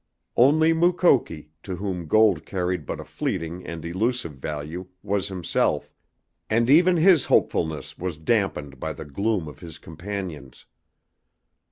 Only Mukoki, to whom gold carried but a fleeting and elusive value, was himself, and even his hopefulness was dampened by the gloom of his companions.